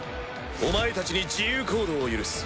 お前たちに自由行動を許す。